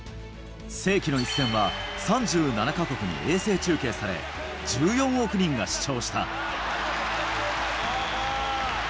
世紀の一戦は３７か国に衛星中継され、１４億人が視聴した。